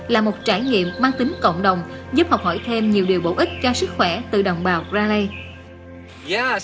là một trải nghiệm mang tính cộng đồng giúp học hỏi thêm nhiều điều bổ ích cho sức khỏe từ đồng bào ra lây